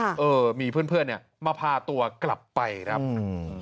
เออมีเพื่อนเนี่ยมาพาตัวกลับไปครับ